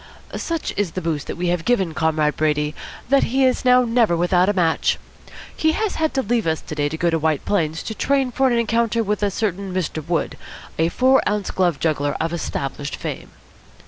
"Such is the boost we have given Comrade Brady, that he is now never without a match. He has had to leave us to day to go to White Plains to train for an encounter with a certain Mr. Wood, a four ounce glove juggler of established fame."